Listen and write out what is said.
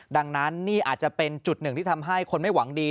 ดังนั้นนี่อาจจะเป็นจุดหนึ่งที่ทำให้คนไม่หวังดี